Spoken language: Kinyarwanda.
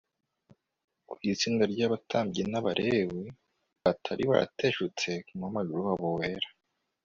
kw'itsinda ry'abatambyi n'abalewi batari barateshutse ku muhamagaro wabo wera